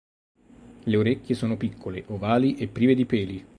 Le orecchie sono piccole, ovali e prive di peli.